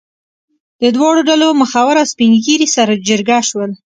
د دواړو ډلو مخور او سپین ږیري سره جرګه شول.